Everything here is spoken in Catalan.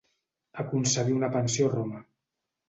Aconseguí una pensió a Roma.